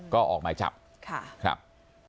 ก็ออกหมายจับ